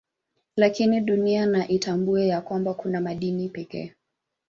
Lakini Dunia na itambue ya kwanba kuna madini pekee